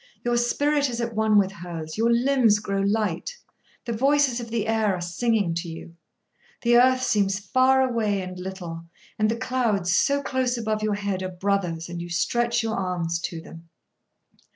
Your spirit is at one with hers; your limbs grow light! The voices of the air are singing to you. The earth seems far away and little; and the clouds, so close above your head, are brothers, and you stretch your arms to them.